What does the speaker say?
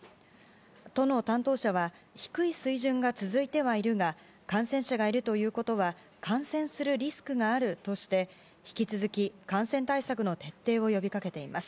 都の担当者は低い水準が続いてはいるが感染者がいるということは感染するリスクがあるとして引き続き、感染対策の徹底を呼び掛けています。